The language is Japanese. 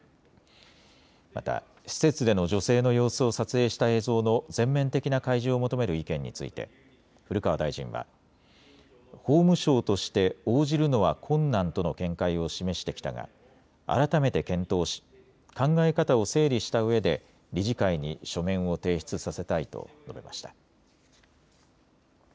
また施設での女性の様子を撮影した映像の全面的な開示を求める意見について古川大臣は法務省として応じるのは困難との見解を示してきたが改めて検討し考え方を整理したうえで理事会に書面を提出させたいと述べました。